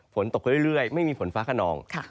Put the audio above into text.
ฝนตกเรื่อยไม่มีฝนฟ้าขนอง